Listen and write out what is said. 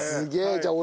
じゃあ。